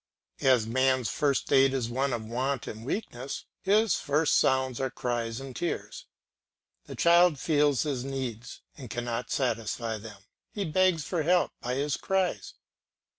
As man's first state is one of want and weakness, his first sounds are cries and tears. The child feels his needs and cannot satisfy them, he begs for help by his cries.